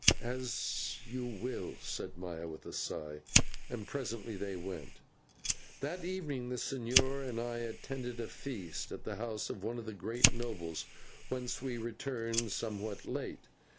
"As you will," said Maya, with a sigh; and presently they went. That evening the señor and I attended a feast at the house of one of the great nobles, whence we returned somewhat late.